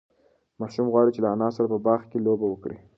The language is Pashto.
ماشوم غواړي چې له انا سره په باغ کې لوبه وکړي.